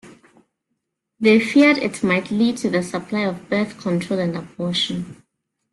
They feared it might lead to the supply of birth control and abortion.